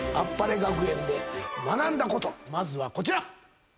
まずはこちら。